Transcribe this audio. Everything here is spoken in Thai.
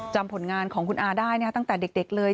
ผลงานของคุณอาได้ตั้งแต่เด็กเลย